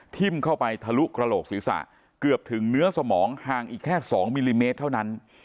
ทิ้มเข้าไปทะลุกระโหลกศีรษะเกือบถึงเนื้อสมองห่างอีกแค่๒มิลลิเมตรเท่านั้น